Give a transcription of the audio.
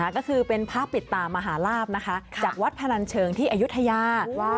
ก็คือเป็นภาพปิดตามหาลาบนะคะจากวัดพนันเชิงที่อายุทยา